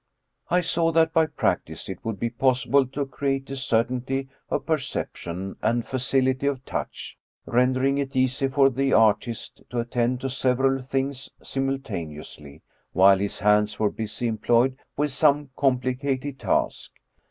I saw that, by practice, it would be possible to create a cer tainty of perception and facility of touch, rendering it easy for the artist to attend to several things simultaneously, while his hands were busy employed with some complicated task.